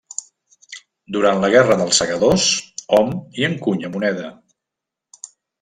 Durant la Guerra dels Segadors hom hi encunya moneda.